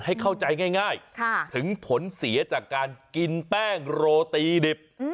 ให้เข้าใจง่ายถึงผลเสียจากการกินแป้งโรตีดิบ